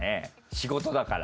仕事だから。